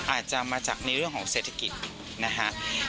อาจจะมาจากในเรื่องของเศรษฐกิจนะฮะ